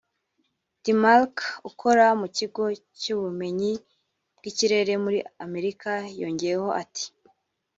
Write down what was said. Dimarcq ukora mu kigo cy’ubumenyi bw’ikirere muri Amerika yongeyeho ati